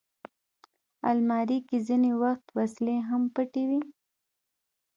الماري کې ځینې وخت وسلې هم پټې وي